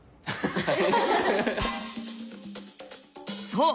そう！